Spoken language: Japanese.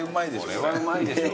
これはうまいでしょ。